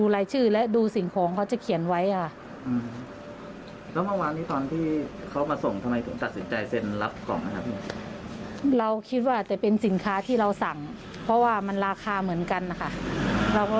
เราคิดว่าอาจจะเป็นสินค้าที่เราสั่งเพราะว่ามันราคาเหมือนกันนะคะ